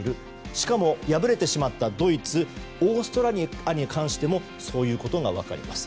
しかも、敗れてしまったドイツオーストラリアに関してもそういうことが分かります。